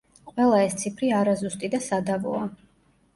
ყველა ეს ციფრი არაზუსტი და სადავოა.